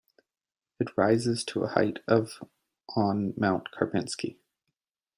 It rises to a height of on Mount Karpinsky.